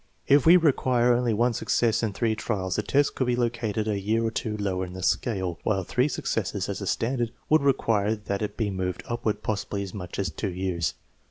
If we require only one success in three trials the test could be located a year or two lower in the scale, while three successes as a standard would require that it be moved upward possibly as much as two years.